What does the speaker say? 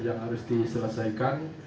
yang harus diselesaikan